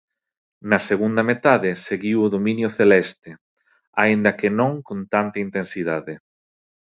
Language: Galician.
Na segunda metade seguiu o dominio celeste, aínda que non con tanta intensidade.